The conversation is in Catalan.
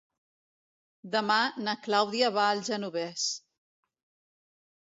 Demà na Clàudia va al Genovés.